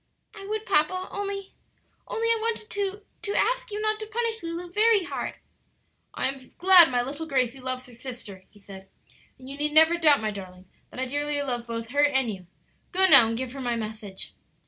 "I would, papa, only only I wanted to to ask you not to punish Lulu very hard." "I am glad my little Gracie loves her sister," he said; "and you need never doubt, my darling, that I dearly love both her and you. Go now and give her my message."